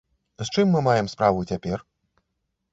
З чым мы маем справу цяпер?